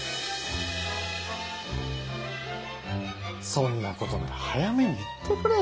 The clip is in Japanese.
そんなことなら早めに言っとくれよ